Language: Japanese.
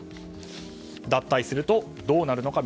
脱退するとどうなるのか？